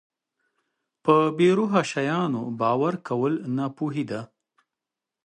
په بې روحه شیانو باور کول ناپوهي ده.